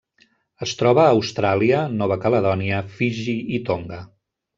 Es troba a Austràlia, Nova Caledònia, Fiji i Tonga.